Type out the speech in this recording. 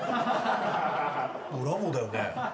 ブラボーだよね。